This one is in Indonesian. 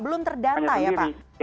belum terdata ya pak